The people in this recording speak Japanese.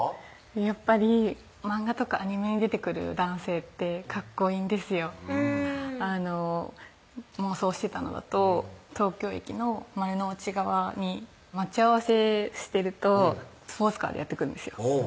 やっぱりマンガとかアニメに出てくる男性ってかっこいいんですよ妄想してたのだと東京駅の丸の内側に待ち合わせしてるとスポーツカーでやって来るんですよ